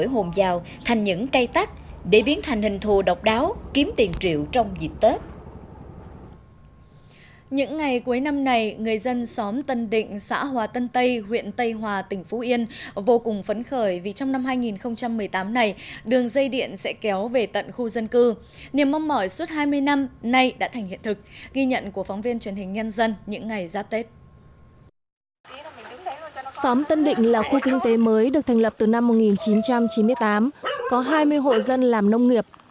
xóm tân định là khu kinh tế mới được thành lập từ năm một nghìn chín trăm chín mươi tám có hai mươi hội dân làm nông nghiệp